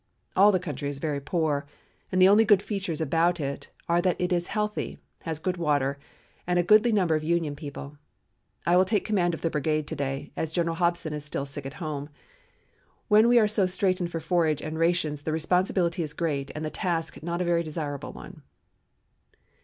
All the country is very poor, and the only good features about it are that it is healthy, has good water, and a goodly number of Union people. I will take command of the brigade to day, as General Hobson is still sick at home. When we are so straitened for forage and rations the responsibility is great and the task not a very desirable one."